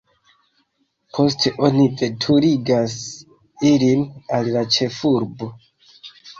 Poste oni veturigas ilin al la ĉefurbo.